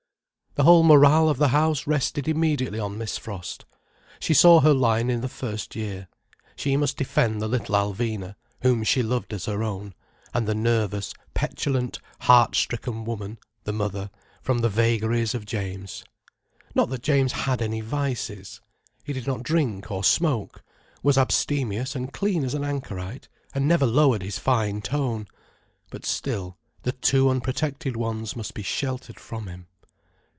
The whole morale of the house rested immediately on Miss Frost. She saw her line in the first year. She must defend the little Alvina, whom she loved as her own, and the nervous, petulant, heart stricken woman, the mother, from the vagaries of James. Not that James had any vices. He did not drink or smoke, was abstemious and clean as an anchorite, and never lowered his fine tone. But still, the two unprotected ones must be sheltered from him.